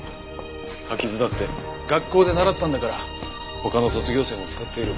柿酢だって学校で習ったんだから他の卒業生も使っている。